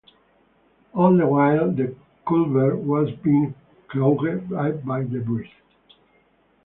All the while, the culvert was being clogged up by debris.